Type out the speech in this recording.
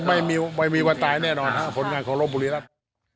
ไม่มีวันตายแน่นอนนะครับผลงานของลบบุรีรัตน์